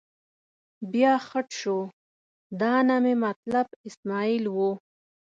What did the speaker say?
بیا خټ شو، دا نه مې مطلب اسمعیل و.